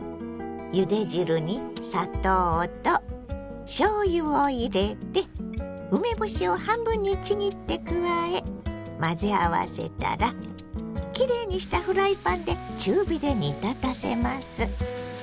ゆで汁に砂糖としょうゆを入れて梅干しを半分にちぎって加え混ぜ合わせたらきれいにしたフライパンで中火で煮立たせます。